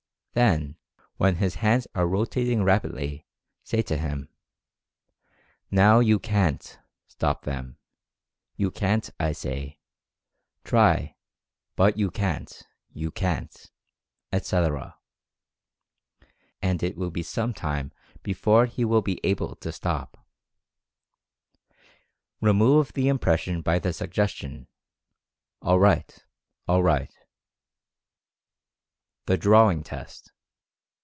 Then when his hands are rotating rapidly, say to him : "Now you CANT stop them— you CAN'T, I say— try, but you CANT, you CANT," etc. And it will be some time before he will be able to stop. Remove the im pression by the suggestion: "All right — all right." 104 Mental Fascination THE ^DRAWING" TEST.